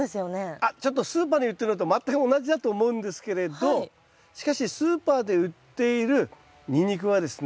あっちょっとスーパーに売ってるのと全く同じだと思うんですけれどしかしスーパーで売っているニンニクはですね